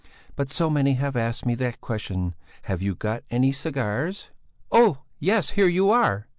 But so many have asked me that question: 'Have you got any cigars?'" "Oh, yes; here you are!